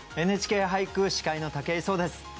「ＮＨＫ俳句」司会の武井壮です。